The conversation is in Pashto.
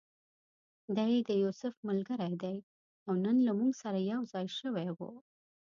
دی د یوسف ملګری دی او نن له موږ سره یو ځای شوی و.